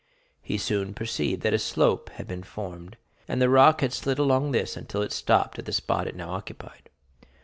He soon perceived that a slope had been formed, and the rock had slid along this until it stopped at the spot it now occupied.